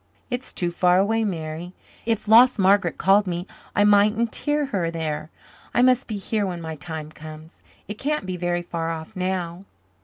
"It's too far away, Mary. If lost Margaret called me I mightn't hear her there. I must be here when my time comes. It can't be very far off now."